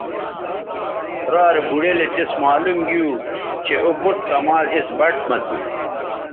را رے بوڑیلے تس معلوم گیو چہء او بُٹ کمال اِس بَٹ مہ تھو